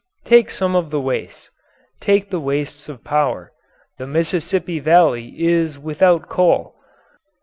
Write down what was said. Take some of the wastes. Take the wastes of power. The Mississippi Valley is without coal.